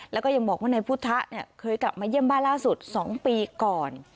แล้วก็ยังบอกว่านายพุทธะเคยกลับมาเยี่ยมบ้านล่าสุด๒ปีก่อน